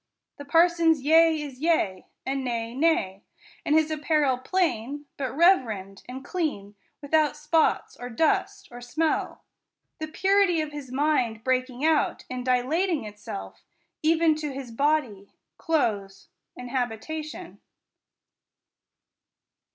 The parson's yea is yea, and nay, nay : and his apparel plain, but reverend, and clean, without spots, or dust, or smell ; the purity of his mind breaking out, and dilating itself even to his body, clothes, and habita tion.